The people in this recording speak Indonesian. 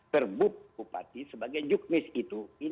terbuk kupati sebagai jukmis itu